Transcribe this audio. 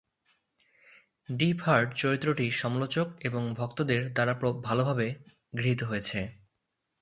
Deep heart চরিত্রটি সমালোচক এবং ভক্তদের দ্বারা ভালভাবে গৃহীত হয়েছে।